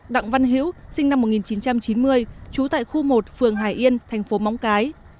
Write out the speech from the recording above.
đặng văn hữu sinh năm một nghìn chín trăm chín mươi trú tại khu một phường hải yên thành phố móng cái